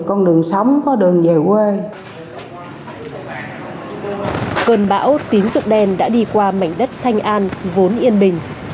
cơn bão tín dụng đen đã đi qua mảnh đất thanh an vốn yên bình